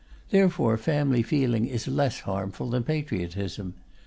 Therefore family feeling is less harmful than patriotism.